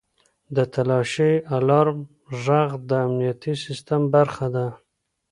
• د تالاشۍ الارم ږغ د امنیتي سیستم برخه ده.